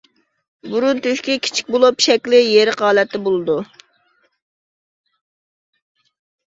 بۇرۇن تۆشۈكى كىچىك بولۇپ، شەكلى يېرىق ھالەتتە بولىدۇ.